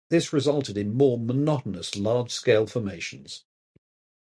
This resulted in more monotonous, large-scale formations.